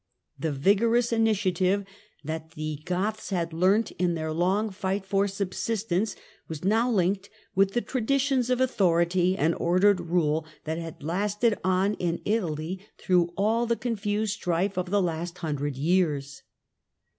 The vigorous initiative that the Goths had learnt in their long fight for subsistence was now linked with the traditions of authority and ordered rule that had lasted on in Italy through all the confused strife of the last hundred years.